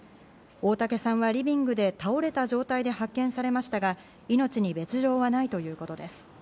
大竹さんはリビングで倒れた状態で発見されましたが、命に別条はないということです。